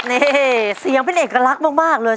นี่เสียงเป็นเอกลักษณ์มากเลย